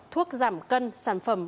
thuốc giảm cân sản phẩm